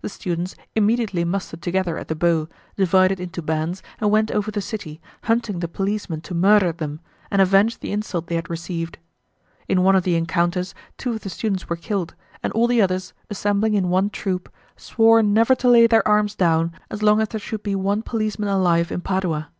The students immediately mustered together at the Bo, divided into bands, and went over the city, hunting the policemen to murder them, and avenge the insult they had received. In one of the encounters two of the students were killed, and all the others, assembling in one troop, swore never to lay their arms down as long as there should be one policeman alive in Padua.